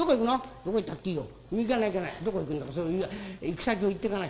「どこ行ったっていいよ。